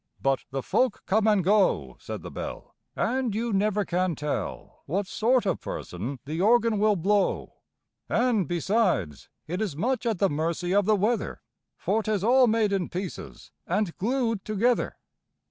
But the folk come and go, Said the Bell, And you never can tell What sort of person the Organ will blow! And, besides, it is much at the mercy of the weather For 'tis all made in pieces and glued together!